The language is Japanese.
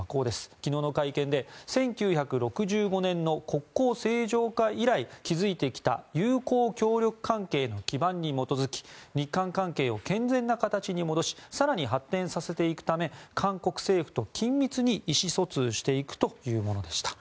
昨日の会見で１９６５年の国交正常化以来、築いてきた友好協力関係の基盤に基づき日韓関係を健全な形に戻し更に発展させていくため韓国政府と緊密に意思疎通していくというものでした。